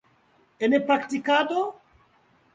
En praktikado?